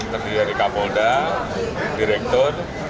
terdiri dari kapolda direktur